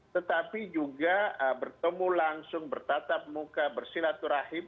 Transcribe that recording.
tetapi juga bertemu langsung bertatap muka bersilaturahim